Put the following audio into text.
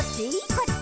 「こっち？」